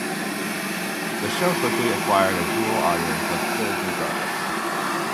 The show quickly acquired a dual audience of kids and grownups.